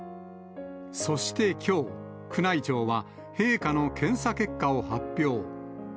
そしてきょう、宮内庁は、陛下の検査結果を発表。